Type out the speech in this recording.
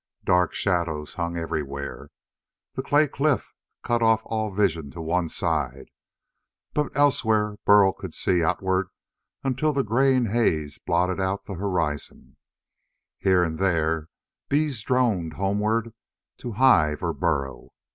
Dark shadows hung everywhere. The clay cliff cut off all vision to one side, but elsewhere Burl could see outward until the graying haze blotted out the horizon. Here and there, bees droned homeward to hive or burrow.